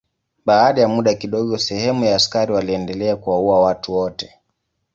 Baada ya muda kidogo sehemu ya askari waliendelea kuwaua watu wote.